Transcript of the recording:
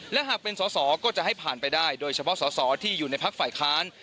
และหากเป็นสอสอก็จะให้ผ่านไปได้โดยเฉพาะสอสอที่อยู่ในพักฝ่ายค้าน